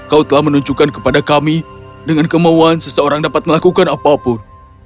kau telah menunjukkan kepada kami dengan kemauan seseorang dapat melakukan apapun